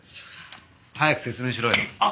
早く説明しろよ。